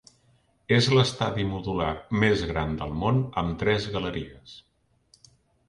És l'estadi modular més gran del món amb tres galeries.